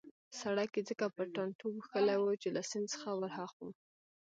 سړک يې ځکه په ټانټو پوښلی وو چې له سیند څخه ورهاخوا.